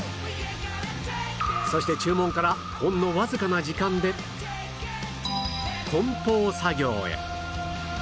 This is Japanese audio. そして注文からほんのわずかな時間で梱包作業へ